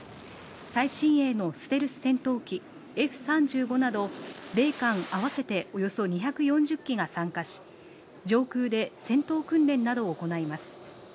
最新鋭のステルス戦闘機・Ｆ３５など米韓あわせておよそ２４０機が参加し、上空で戦闘訓練などを行います。